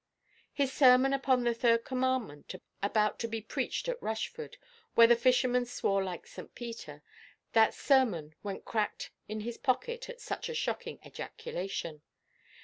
His sermon upon the Third Commandment, about to be preached at Rushford, where the fishermen swore like St. Peter,—that sermon went crack in his pocket at such a shocking ejaculation.